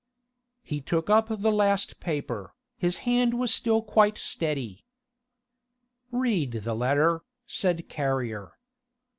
He took up the last paper; his hand was still quite steady. "Read the letter," said Carrier.